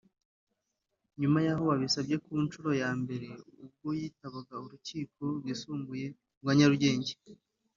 nyuma y’aho babisabye ku nshuro ya mbere ubwo yitabaga Urukiko rwisumbuye rwa Nyarugenge